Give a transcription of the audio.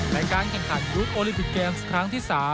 ในการแข่งขันยุทธ์โอลิมปิกเกมส์ครั้งที่๓